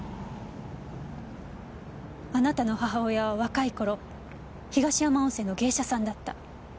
あなたの母親は若い頃東山温泉の芸者さんだった。